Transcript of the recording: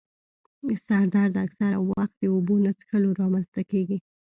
سر درد اکثره وخت د اوبو نه څیښلو رامنځته کېږي.